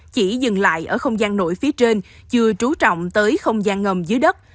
chỉ dừng lại ở không gian nổi phía trên chưa trú trọng tới không gian ngầm dưới đất